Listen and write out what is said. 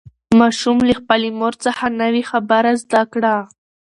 ماشوم له خپلې مور څخه نوې خبره زده کړه